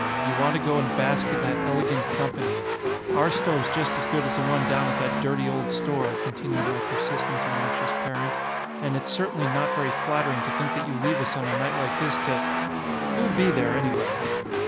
You want to go and bask in that elegant company. Our stove's just as good as the one down at that dirty old store," continued my persistent and anxious parent, "and it's certainly not very flattering to think that you leave us on a night like this to Who'll be there, anyway?"